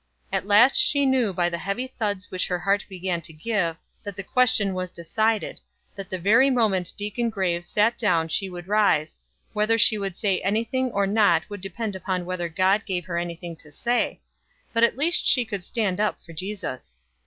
At last she knew by the heavy thuds which her heart began to give, that the question was decided, that the very moment Deacon Graves sat down she would rise; whether she would say any thing or not would depend upon whether God gave her any thing to say but at least she could stand up for Jesus.